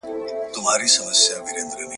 یېګانه چي له آزادي زندګۍ سي `